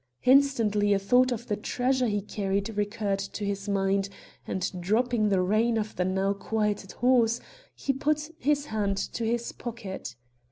Instantly a thought of the treasure he carried recurred to his mind, and dropping the rein of the now quieted horse, he put his hand to his pocket.